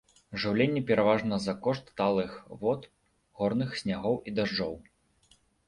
Жыўленне пераважна за кошт талых вод горных снягоў і дажджоў.